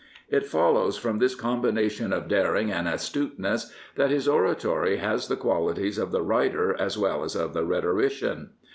It follows from this combination of daring and astuteness that his oratory has the qualities of the writer as well as of the rhetorician.